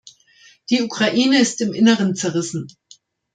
Die Ukraine ist im Innern zerrissen.